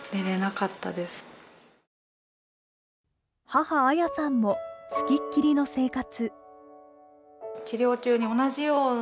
母・礼さんもつきっきりの生活。